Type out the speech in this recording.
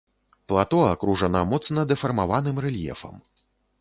Плато акружана моцна дэфармаваным рэльефам.